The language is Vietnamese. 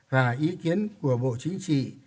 và ý kiến của bộ chính trị